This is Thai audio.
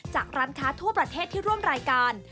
ร้านค้าทั่วประเทศที่ร่วมรายการ